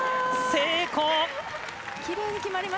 成功！